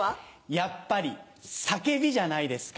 やっぱり『叫び』じゃないですか？